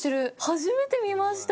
初めて見ました。